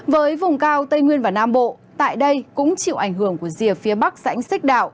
với vùng cao tây nguyên và nam bộ tại đây cũng chịu ảnh hưởng của rìa phía bắc dãnh xích đạo